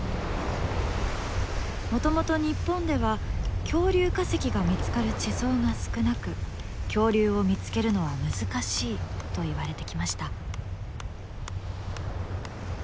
もともと日本では恐竜化石が見つかる地層が少なく恐竜を見つけるのは難しいといわれてきました。